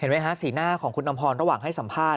เห็นไหมฮะสีหน้าของคุณน้ำพรระหว่างให้สัมภาษณ์